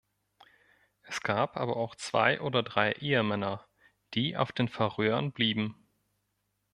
Es gab aber auch zwei oder drei Ehemänner, die auf den Färöern blieben.